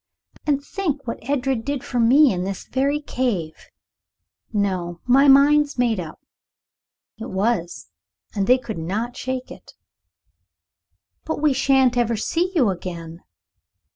And think what Edred did for me, in this very cave. No, my mind's made up." It was, and they could not shake it. "But we shan't ever see you again."